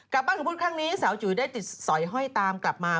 บ้านของพุทธครั้งนี้สาวจุ๋ยได้ติดสอยห้อยตามกลับมา